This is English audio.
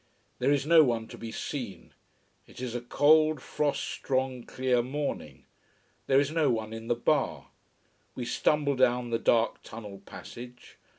There is no one to be seen. It is a cold, frost strong, clear morning. There is no one in the bar. We stumble down the dark tunnel passage.